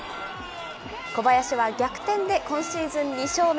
小林は逆転で今シーズン２勝目。